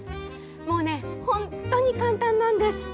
もうね、本当に簡単なんです。